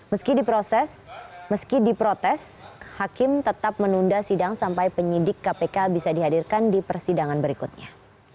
meski diproses meski diprotes hakim tetap menunda sidang sampai penyidik kpk bisa dihadirkan di persidangan berikutnya